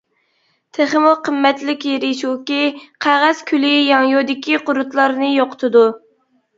تېخىمۇ قىممەتلىك يېرى شۇكى، قەغەز كۈلى ياڭيۇدىكى قۇرتلارنى يوقىتىدۇ.